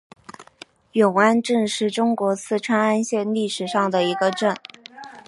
永安镇是中国四川安县历史上的一个镇。